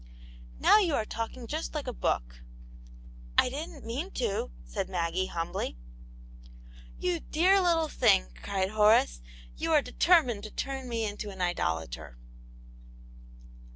" Now you are talking just like a book." " I didn't mean to," said Maggie, humbly. " You dear little thing !" cried Horace, " you are determined to turn me into an idolator."